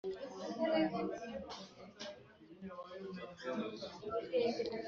Hakenewe ibikoresho byinshi byo kwakira no gukora uburinzi bw’abana